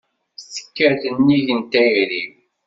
Tekka-d nnig n tayri-w.